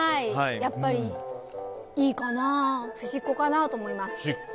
やっぱり、いいかなふしっこかなと思います。